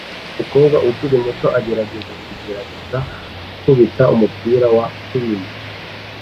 Umukobwa ukiri muto agerageza kugerageza gukubita umupira wa tennis